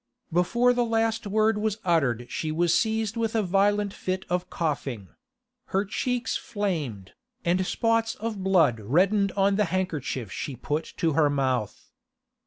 Before the last word was uttered she was seized with a violent fit of coughing; her cheeks flamed, and spots of blood reddened on the handkerchief she put to her mouth.